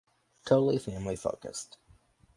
Totally family focused.